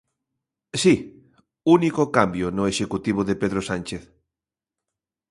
Si, único cambio no executivo de Pedro Sánchez.